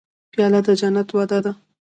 پیاله د جنت وعده ده.